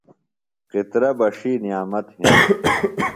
قطرہ بݜی نعمت ہِنوۡ۔